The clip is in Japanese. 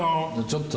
ちょっと。